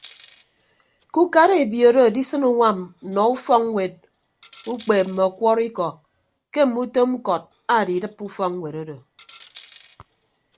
Ke ukara ebiooro adisịn uñwam nnọọ ufọkñwet ukpeep mme ọkwọrọikọ ke mme utom ñkọt adidịppe ufọkñwet odo.